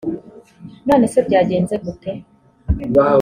none se byagenze gute